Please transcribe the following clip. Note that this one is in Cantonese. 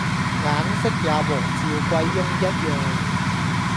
眼色也同趙貴翁一樣，